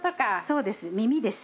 そうです耳です。